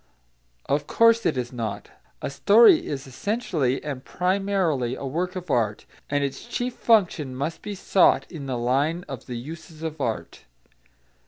Of course it is not. A story is essentially and primarily a work of art, and its chief function must be sought in the line of the uses of art.